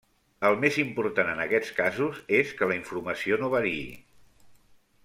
El més important en aquests casos és que la informació no variï.